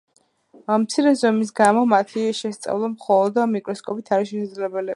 მცირე ზომის გამო მათი შესწავლა მხოლოდ მიკროსკოპით არის შესაძლებელი.